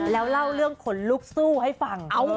แล้วเล่าเรื่องขนลุกสู้ให้ฟัง